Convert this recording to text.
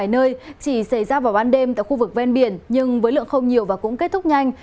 nơi chỉ xảy ra vào ban đêm tại khu vực ven biển nhưng với lượng không nhiều và cũng kết thúc nhanh